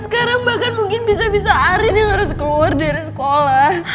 sekarang bahkan mungkin bisa bisa arin yang harus keluar dari sekolah